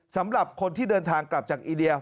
สำหรับคนที่เดินทางกลับจากอินเดีย